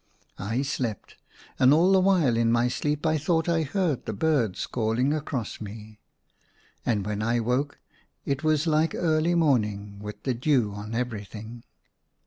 I slept, and all the while in my sleep I thought I heard the birds callinor across me. And when ACROSS MY BED. 165 I woke it was like early murnin*^. with the dew on everything.